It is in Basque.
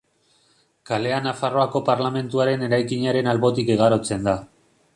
Kalea Nafarroako Parlamentuaren eraikinaren albotik igarotzen da.